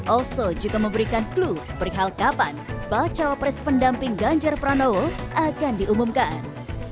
oso juga memberikan clue perihal kapan bacawa pres pendamping ganjar pranowo akan diumumkan